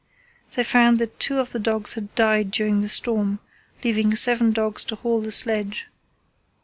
They found that two of the dogs had died during the storm, leaving seven dogs to haul the sledge.